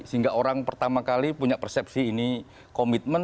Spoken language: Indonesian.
sehingga orang pertama kali punya persepsi ini komitmen